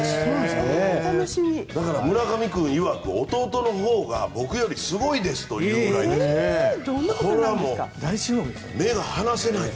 だから村上君いわく弟のほうが僕よりすごいですというぐらい。